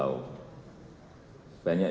terima kasih banyak gw